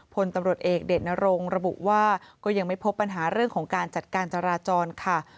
พลตำรวจเอกเดชนรงระบุว่าก็ยังไม่พบปัญหาเรื่องของการจัดการจราจรค่ะ